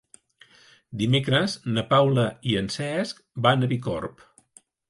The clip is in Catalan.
Dimecres na Paula i en Cesc van a Bicorb.